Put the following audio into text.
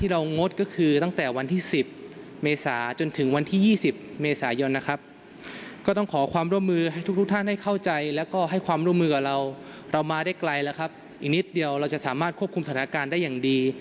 เรามาได้ไกลแล้วครับอีกนิดเดียวเราจะสามารถควบคุมสถานการณ์ได้อย่างดี